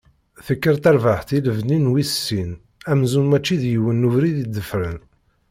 Tekker terbaɛt i lebni n wis sin, amzun mačči d yiwen n ubrid i ḍefren.